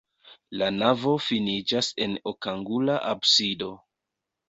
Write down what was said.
La navo finiĝas en okangula absido.